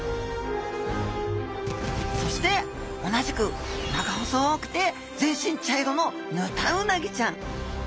そして同じく長細くて全身茶色のヌタウナギちゃん！